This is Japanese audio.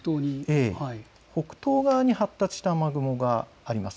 北東側に発達した雨雲があります。